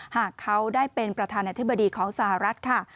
หากเขาได้เป็นประธานาธิบดีของสหรัฐค่ะ